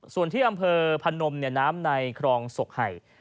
ส่วนที่อำเภอพนมน้ำในครองศกไห่